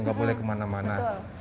nggak boleh kemana mana